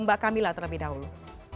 ke mbak kamila terlebih dahulu